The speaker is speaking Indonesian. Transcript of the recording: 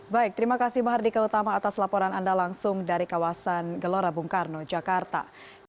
baik terima kasih mahardika utama atas laporan anda langsung dari kawasan gelora bung karno jakarta